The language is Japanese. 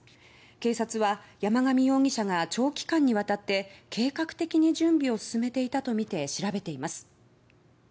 警察は山上容疑者が長期間にわたって計画的に準備を進めていたとみて調べています。